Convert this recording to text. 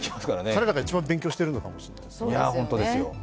彼らが一番勉強しているのかもしれない。